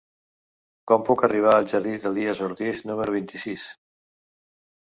Com puc arribar al jardí d'Elies Ortiz número vint-i-sis?